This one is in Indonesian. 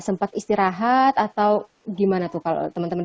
sempat istirahat atau gimana tuh kalau teman teman